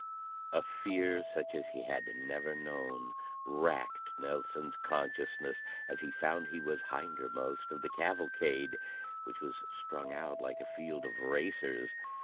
A fear such as he had never known racked Nelson's consciousness as he found he was hindermost of the cavalcade, which was strung out like a field of racers.